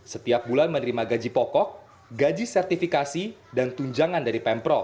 setiap bulan menerima gaji pokok gaji sertifikasi dan tunjangan dari pemprov